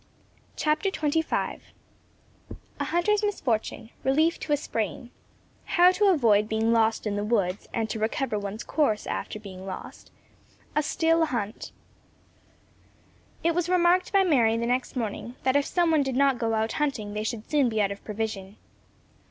CHAPTER XXV A HUNTER'S MISFORTUNE RELIEF TO A SPRAIN HOW TO AVOID BEING LOST IN THE WOODS, AND TO RECOVER ONE'S COURSE AFTER BEING LOST A STILL HUNT It was remarked by Mary the next morning, that if some one did not go out hunting they should soon be out of provision.